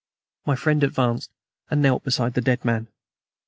My friend advanced and knelt beside the dead man.